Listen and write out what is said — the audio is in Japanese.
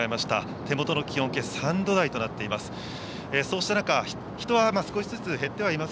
手元の気温計、３度台となっています。